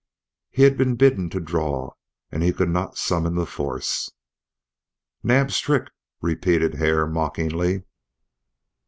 He had been bidden to draw and he could not summon the force. "Naab's trick!" repeated Hare, mockingly.